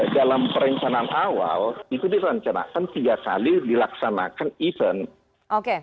dalam perencanaan awal itu direncanakan tiga kali dilaksanakan event